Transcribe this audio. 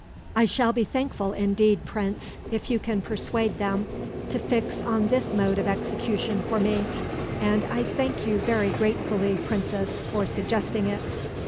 "I shall be thankful indeed, Prince, if you can persuade them to fix on this mode of execution for me; and I thank you very gratefully, Princess, for suggesting it."